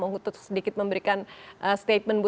untuk sedikit memberikan statement